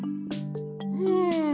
うん。